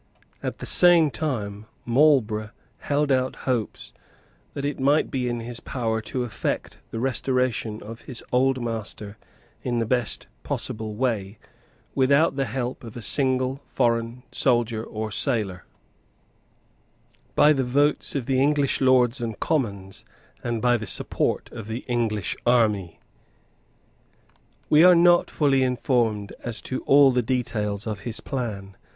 At the same time Marlborough held out hopes that it might be in his power to effect the restoration of his old master in the best possible way, without the help of a single foreign soldier or sailor, by the votes of the English Lords and Commons, and by the support of the English army. We are not fully informed as to all the details of his plan.